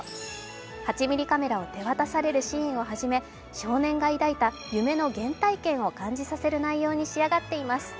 ８ミリカメラを手渡されるシーンをはじめ少年が抱いた夢の原体験を感じさせる内容に仕上がっています。